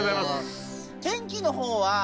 天気のほうは。